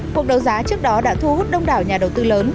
cuộc đấu giá trước đó đã thu hút đông đảo nhà đầu tư lớn